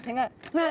「わあ！」